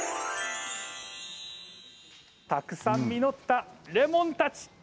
たくさん実ったレモンたち。